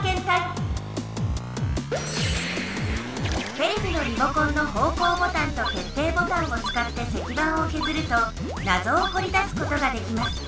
テレビのリモコンの方こうボタンとけっていボタンをつかって石版をけずるとなぞをほりだすことができます。